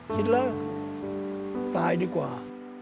คิดแล้วตายดีกว่า